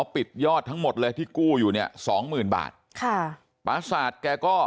ปิดยอดทั้งหมดเลยที่กู้อยู่เนี่ยสองหมื่นบาทค่ะปราศาสตร์แกก็